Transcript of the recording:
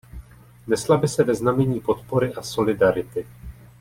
Nesla by se ve znamení podpory a solidarity.